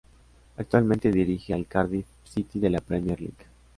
Actualmente dirige al Cardiff City de la Premier League.